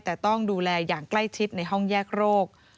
แต่ต้องดูแลอย่างใกล้ชิดในห้องแยกโรค